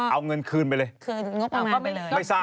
เอาเงินคืนไปเลย